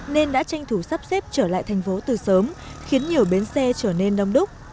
nên đã tranh thủ sắp xếp trở lại thành phố từ sớm khiến nhiều bến xe trở nên đông đúc